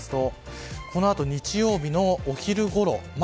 この後、日曜日のお昼ごろ